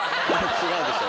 違うでしょ！